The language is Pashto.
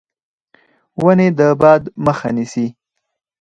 ونې د باد مخه نیسي.